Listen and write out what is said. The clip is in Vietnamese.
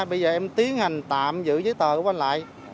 bây giờ em tiến hành tạm giữ giấy tờ của anh lại